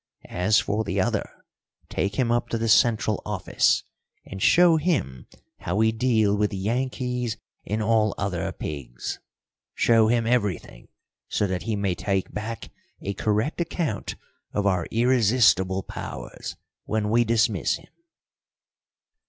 As for the other, take him up to the central office, and show him how we deal with Yankees and all other pigs. Show him everything, so that he may take back a correct account of our irresistible powers when we dismiss him."